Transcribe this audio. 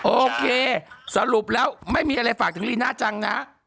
โอเคสรุปแล้วไม่มีอะไรฝากถึงลีน่าจังนะ